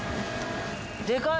でかい。